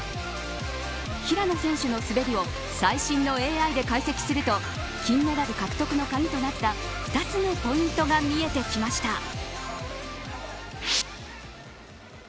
平野選手の滑りを最新のＡＩで解析すると金メダル獲得の鍵となった２つのポイントが見えてきました。